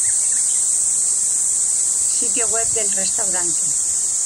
Sitio web del restaurante